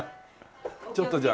ちょっとじゃあ。